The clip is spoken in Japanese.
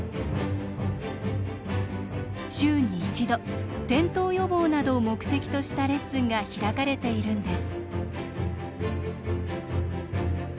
週に一度転倒予防などを目的としたレッスンが開かれているんです。